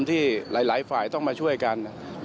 ที่หลายฝ่ายต้องมาช่วยกัน